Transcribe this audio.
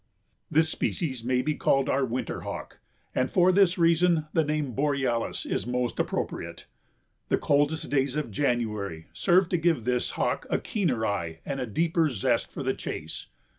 This species may be called our winter hawk and for this reason the name borealis is most appropriate. "The coldest days of January serve to give this hawk a keener eye and a deeper zest for the chase."